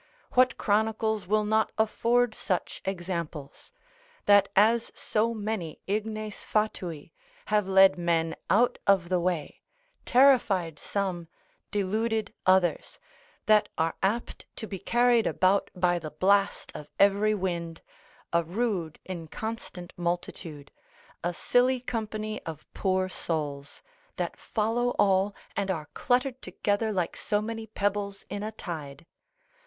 what chronicles will not afford such examples? that as so many ignes fatui, have led men out of the way, terrified some, deluded others, that are apt to be carried about by the blast of every wind, a rude inconstant multitude, a silly company of poor souls, that follow all, and are cluttered together like so many pebbles in a tide.